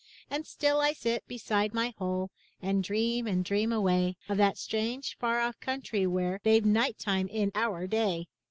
And still I sit beside my hole And dream and dream away, Of that strange far off country where They've night time in our day!